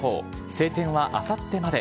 晴天はあさってまで。